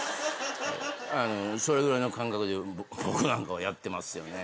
それぐらいの感覚で僕なんかはやってますよね。